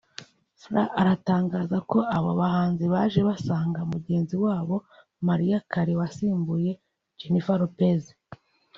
fr aratangaza ko abo bahanzi baje basanga mugenzi wabo Mariah Carey wasimbuye Jennifer Lopez